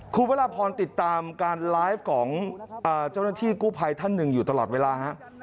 คุณพระราพรติดตามการไลฟ์ของเจ้าหน้าที่กู้ภัยท่านหนึ่งอยู่ตลอดเวลาฮะ